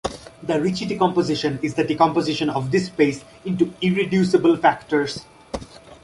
The Ricci decomposition is the decomposition of this space into irreducible factors.